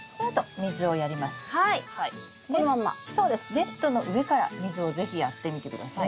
ネットの上から水を是非やってみて下さい。